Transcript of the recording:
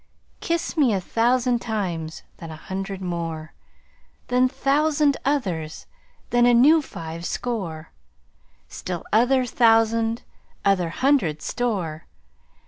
Kiss me a thousand times, then hundred more, Then thousand others, then a new five score, Still other thousand other hundred store.